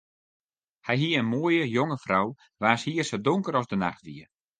Hy hie in moaie, jonge frou waans hier sa donker as de nacht wie.